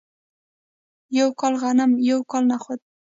یو کال غنم یو کال نخود.